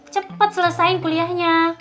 cepat selesain kuliahnya